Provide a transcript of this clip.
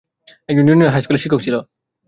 একজন জুনিয়র হাইস্কুলের শিক্ষক ছিল।